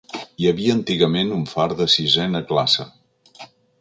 Hi havia antigament un far de sisena classe.